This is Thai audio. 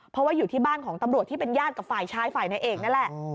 เพราะว่าอยู่ที่บ้านของตำรวจที่เป็นญาติกับฝ่ายชายฝ่ายนายเอกนั่นแหละ